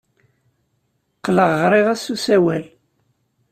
Qqleɣ ɣriɣ-as s usawal.